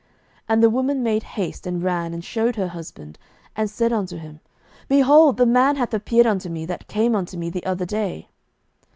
07:013:010 And the woman made haste, and ran, and shewed her husband, and said unto him, Behold, the man hath appeared unto me, that came unto me the other day.